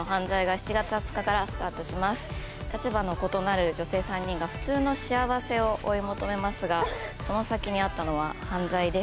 立場の異なる女性３人が普通の幸せを追い求めますがその先にあったのは犯罪です。